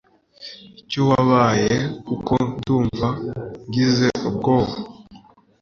icyo wabaye kuko ndumva ngize ubwoba